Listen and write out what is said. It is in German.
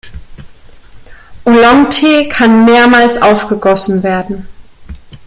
Oolong-Tee kann mehrmals aufgegossen werden.